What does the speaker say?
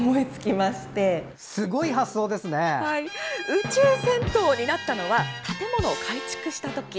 宇宙銭湯になったのは建物を改築した時。